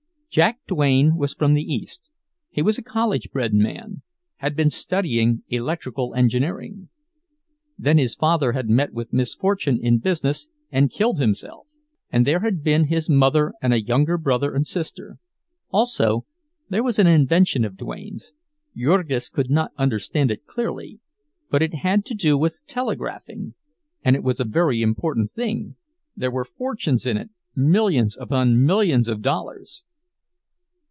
Jack Duane was from the East; he was a college bred man—had been studying electrical engineering. Then his father had met with misfortune in business and killed himself; and there had been his mother and a younger brother and sister. Also, there was an invention of Duane's; Jurgis could not understand it clearly, but it had to do with telegraphing, and it was a very important thing—there were fortunes in it, millions upon millions of dollars.